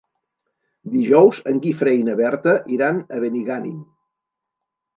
Dijous en Guifré i na Berta iran a Benigànim.